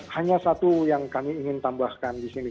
hanya satu yang kami ingin tambahkan di sini